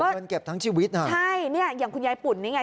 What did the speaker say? เงินเก็บทั้งชีวิตนะใช่เนี่ยอย่างคุณยายปุ่นนี่ไง